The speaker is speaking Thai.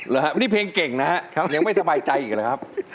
นี่เพลงเก่งนะครับยังไม่สบายใจอีกเลยครับ